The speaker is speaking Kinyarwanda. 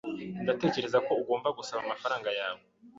Ndatekereza ko ugomba gusaba amafaranga yawe.